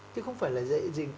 chứ không phải là dễ gì